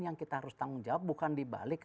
yang kita harus tanggung jawab bukan dibalik